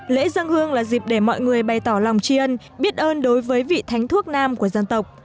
lễ dân hương là dịp để mọi người bày tỏ lòng tri ân biết ơn đối với vị thánh thuốc nam của dân tộc